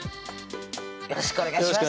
よろしくお願いします